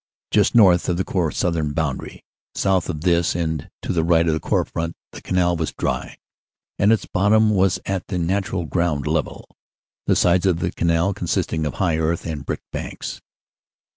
just north of the Corps southern boundary. South of this and to the right of the Corps front the Canal was dry, and its bot tom was at the natural ground level, the sides of the canal con sisting of high earth and brick banks.